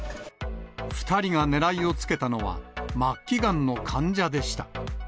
２人がねらいをつけたのは、末期がんの患者でした。